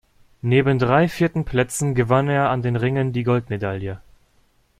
Neben drei vierten Plätzen gewann er an den Ringen die Goldmedaille.